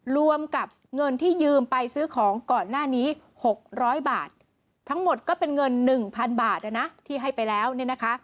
รวมกับเงินที่ยืมไปซื้อของก่อนหน้านี้๖๐๐บาททั้งหมดก็เป็นเงิน๑๐๐๐บาทนะนะที่ให้ไปแล้วเนี่ยนะคะ